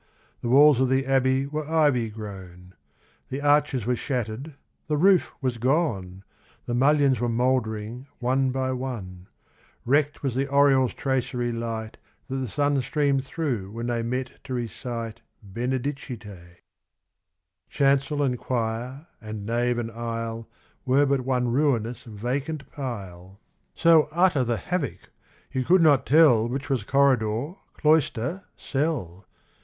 The walls of the Abbey were ivy grown ; The arches were shattered, the roof was gone, The muUions were mouldering one by one ; Wrecked was the oriel's tracery light That the sun streamed through when they met to recite Benedicite. XVII Chancel and choir and nave and aisle Were but one ruinous vacant pile. BROTHER BENEDICT 151 So utter the havoc, you could not tell Which was corridor, cloister, cell.